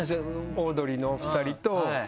オードリーのお二人とねっ？